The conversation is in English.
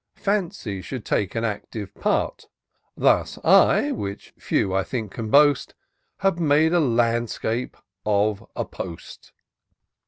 Fancy should take an active part : Thus I (which few I think can boast) Have made a Landscape of a Post.